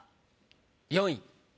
４位。